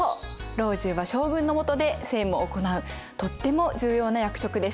老中は将軍のもとで政務を行うとっても重要な役職でした。